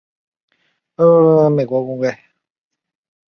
经费由美国供给。